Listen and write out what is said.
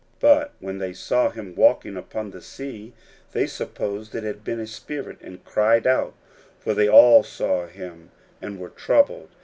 41:006:049 But when they saw him walking upon the sea, they supposed it had been a spirit, and cried out: 41:006:050 For they all saw him, and were troubled.